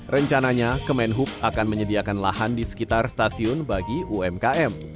rencananya kemenhub akan menyediakan lahan di sekitar stasiun bagi umkm